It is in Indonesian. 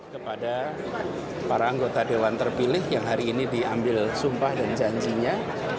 kepada para anggota dewan terpilih yang hari ini diambil sumpah dan janjinya